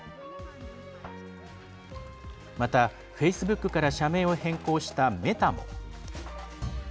また、フェイスブックから社名を変更した、メタも。